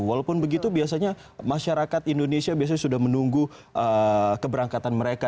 walaupun begitu biasanya masyarakat indonesia biasanya sudah menunggu keberangkatan mereka